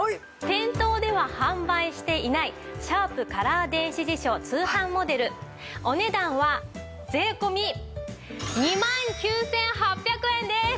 店頭では販売していないシャープカラー電子辞書通販モデルお値段は税込２万９８００円です。